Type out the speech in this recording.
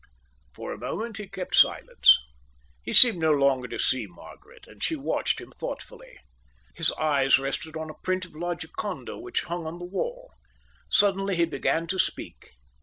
For a moment he kept silence. He seemed no longer to see Margaret, and she watched him thoughtfully. His eyes rested on a print of La Gioconda which hung on the wall. Suddenly he began to speak.